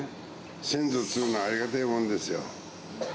先祖っつうのはありがたいもんですよ。